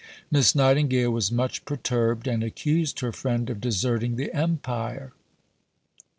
Miss Nightingale was much perturbed, and accused her friend of "deserting the Empire."